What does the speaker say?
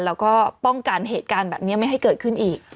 แล้วก็ป้องกันเหตุการณ์แบบนี้ไม่ให้เกิดขึ้นอีก